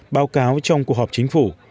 báo cáo trong cuộc họp chính phủ